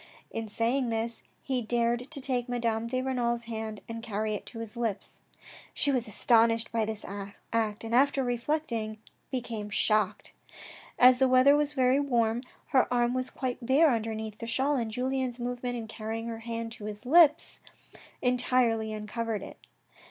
In saying this, he dared to take Madame de Renal's hand and carry it to his lips. She was astonished at this act, and after reflecting, became shocked. As the weather was very warm, her arm was quite bare underneath the shawl, and Julien's movement in carrying her hand to his lips entirely uncovered it.